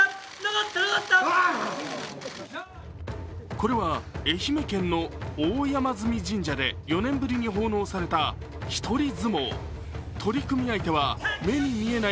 これは愛媛県の大山祇神社で４年ぶりに奉納された一人角力。